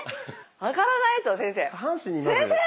上がらないですよ先生先生！